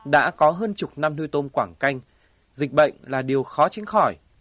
đã có hơn chục năm nuôi tôm quảng canh dịch bệnh là điều khó tránh khỏi